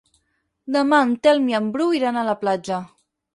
Demà en Telm i en Bru iran a la platja.